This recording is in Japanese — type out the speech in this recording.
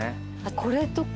これとか何？